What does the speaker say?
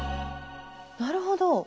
なるほど。